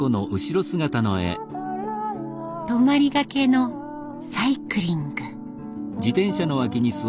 「泊まりがけのサイクリング」。